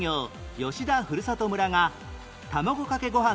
吉田ふるさと村が卵かけご飯